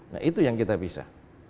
nah itu yang kita bisa